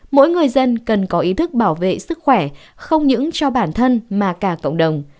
mỗi người dân cần có ý thức bảo vệ sức khỏe không những cho bản thân mà cả cộng đồng